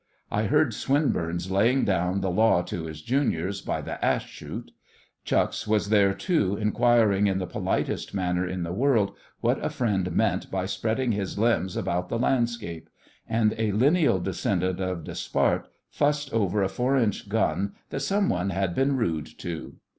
I heard Swinburne laying down the law to his juniors by the ash shoot; Chucks was there, too, inquiring in the politest manner in the world what a friend meant by spreading his limbs about the landscape; and a lineal descendant of Dispart fussed over a 4in. gun that some one had been rude to.